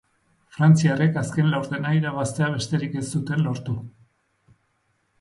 Frantziarrek azken laurdena irabaztea besterik ez zuten lortu.